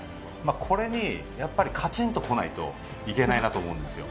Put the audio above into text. これに、やっぱりカチンと来ないといけないと思うんです。